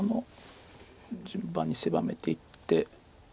順番に狭めていって。